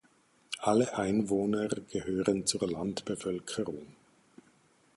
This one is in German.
Alle Einwohner gehören zur Landbevölkerung.